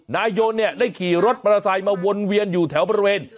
นายยนต์เนี่ยได้ขี่รถประสัยมาวนเวียนอยู่แถวบริเวณ